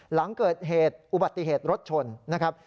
หลังเกิดเหตุอุบัติเหตุรถชนนะครับ